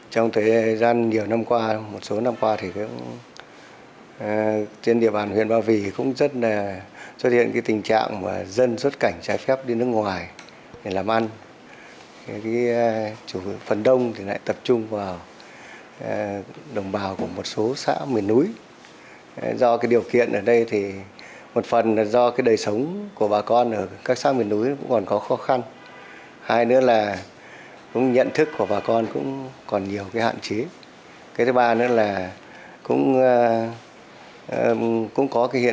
trong thời gian nhiều năm qua một số năm qua thì trên địa bàn huyện ba vì cũng rất xuất hiện cái tình trạng mà dân xuất cảnh trái phép đến nước ngôi